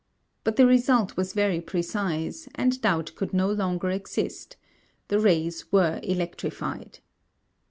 But the result was very precise, and doubt could no longer exist the rays were electrified.